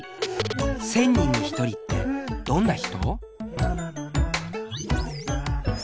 １０００人に１人ってどんな人？